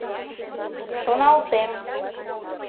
Шоналтем.